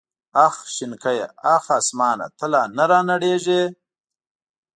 اخ شنکيه اخ اسمانه ته لا نه رانړېږې.